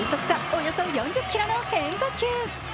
およそ４０キロの変化球。